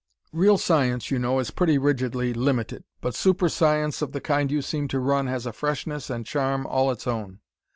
Real science, you know, is pretty rigidly limited, but super science of the kind you seem to run has a freshness and charm all its own.